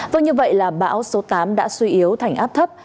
vâng như vậy là bão số tám đã suy yếu thành áp thấp